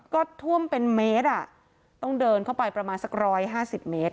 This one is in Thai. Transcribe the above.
ก็ท่วมเป็นเมตรอ่ะต้องเดินเข้าไปประมาณสัก๑๕๐เมตร